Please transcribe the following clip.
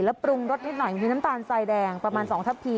แล้วปรุงรสนิดหน่อยมีน้ำตาลทรายแดงประมาณ๒ทับพี